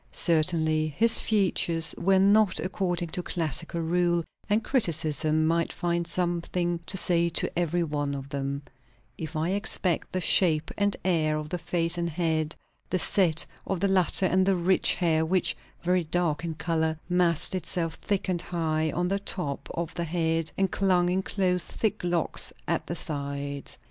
Certainly his features were not according to classical rule, and criticism might find something to say to every one of them; if I except the shape and air of the face and head, the set of the latter, and the rich hair; which, very dark in colour, massed itself thick and high on the top of the head, and clung in close thick locks at the sides.